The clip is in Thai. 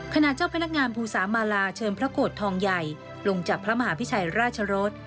เจ้าพนักงานภูสามาลาเชิญพระโกรธทองใหญ่ลงจากพระมหาพิชัยราชรส